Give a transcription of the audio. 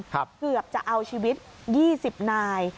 เกือบจะเอาชีวิต๒๐นาย